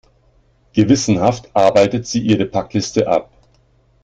Gewissenhaft arbeitet sie ihre Packliste ab.